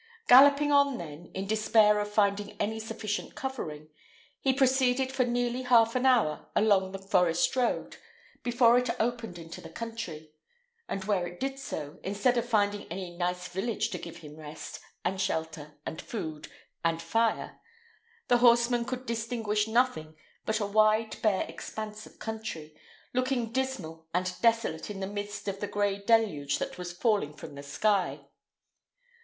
Galloping on, then, in despair of finding any sufficient covering, he proceeded for nearly half an hour along the forest road, before it opened into the country; and where it did so, instead of finding any nice village to give him rest, and shelter, and food, and fire, the horseman could distinguish nothing but a wide, bare expanse of country, looking dismal and desolate in the midst of the gray deluge that was falling from the sky.